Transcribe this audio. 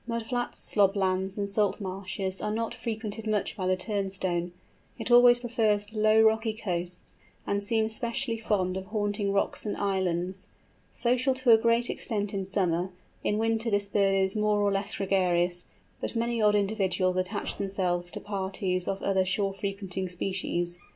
Mud flats, slob lands, and salt marshes are not frequented much by the Turnstone; it always prefers the low rocky coasts, and seems specially fond of haunting rocks and islands. Social to a great extent in summer, in winter this bird is more or less gregarious; but many odd individuals attach themselves to parties of other shore frequenting species.